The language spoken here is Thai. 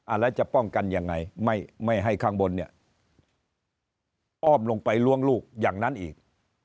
แล้วจะป้องกันยังไงไม่ให้ข้างบนเนี่ยอ้อมลงไปล้วงลูกอย่างนั้นอีก